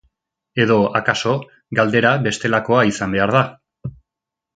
Edo akaso galdera bestelakoa izan behar da.